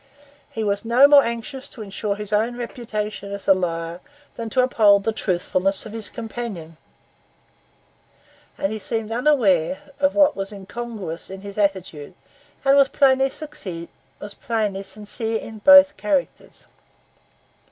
He was no more anxious to insure his own reputation as a liar than to uphold the truthfulness of his companion; and he seemed unaware of what was incongruous in his attitude, and was plainly sincere in both characters.